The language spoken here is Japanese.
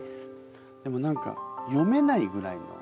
でも何か読めないぐらいの。